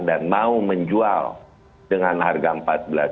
dan mau menjual dengan harga rp empat belas